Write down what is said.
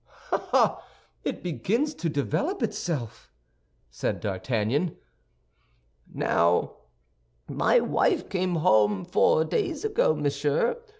"Ah, ah! It begins to develop itself," said D'Artagnan. "Now, my wife came home four days ago, monsieur.